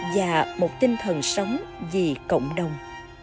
và một tinh thần sống vì cộng đồng